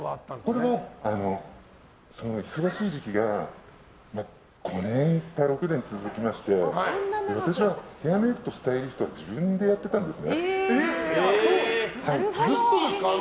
これは忙しい時期が５年か６年続きまして私はヘアメイクとスタイリストを自分でやってたんですね。